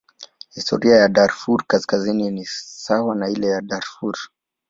Historia ya Darfur Kaskazini ni sawa na ile ya Darfur.